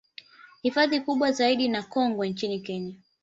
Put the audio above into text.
Hifadhi kubwa zaidi na kongwe nchini Kenya